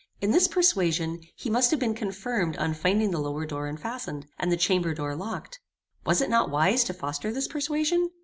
In this persuasion he must have been confirmed on finding the lower door unfastened, and the chamber door locked. Was it not wise to foster this persuasion?